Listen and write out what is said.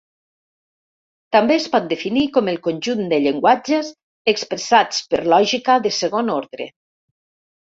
També es pot definir com el conjunt de llenguatges expressats per lògica de segon ordre.